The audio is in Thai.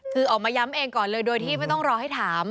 คือออกมาย้ำเองก่อนเลยโดยที่ไม่ต้องรอให้ถาม